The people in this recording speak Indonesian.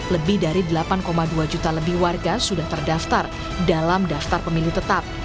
lebih dari delapan dua juta lebih warga sudah terdaftar dalam daftar pemilih tetap